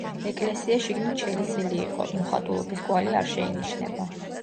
ეკლესია შიგნით შელესილი იყო, მოხატულობის კვალი არ შეინიშნება.